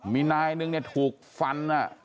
มีนายนึงเนี่ยถูกฟัน